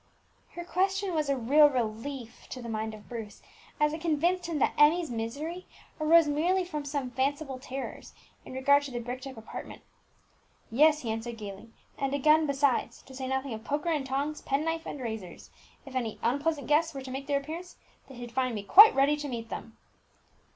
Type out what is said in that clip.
Her question was a real relief to the mind of Bruce, as it convinced him that Emmie's misery arose merely from some fanciful terrors in regard to the bricked up apartment. "Yes," he answered gaily, "and a gun besides, to say nothing of poker and tongs, pen knife, and razors. If any unpleasant guests were to make their appearance, they should find me quite ready to meet them."